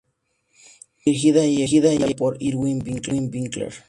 Dirigida y escrita por Irwin Winkler.